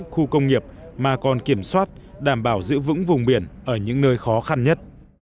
khu công nghiệp mà còn kiểm soát đảm bảo giữ vững vùng biển ở những nơi khó khăn nhất